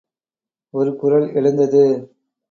ஒரு குரல் எழுந்தது.